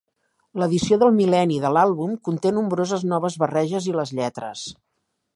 L'edició del mil·lenni de l'àlbum conté nombroses noves barreges i les lletres.